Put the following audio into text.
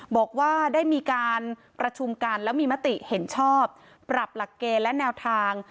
บอกว่าได้มีการประชุมกันแล้วมีมติเห็นชอบปรับหลักเกณฑ์และแนวทาง